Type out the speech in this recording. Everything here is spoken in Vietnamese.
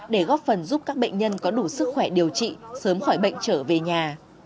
để góp phần giúp các bệnh nhân có đủ sức khỏe điều trị sớm khỏi bệnh trở về nhà